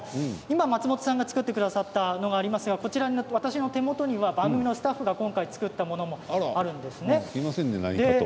今、松本さんが作ってくださったものがありますが、私の手元には番組のスタッフが今回作ったものがあるんです。